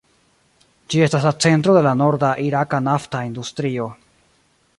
Ĝi estas la centro de la norda iraka nafta industrio.